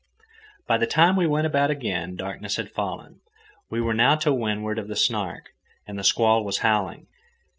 By the time we went about again, darkness had fallen. We were now to windward of the Snark, and the squall was howling.